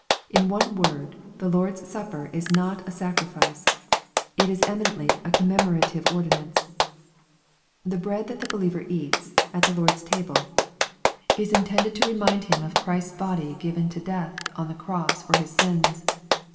'' In one word, the Lord's supper is not a sacri fice. It is eminentlv a commemorative ordinance. The bread that the believereats, at the Lord's table, ia 1 896 EXPOSITORY THOUGHTS. inteDded to remind him of Christ's body given to death on the cross for his sins.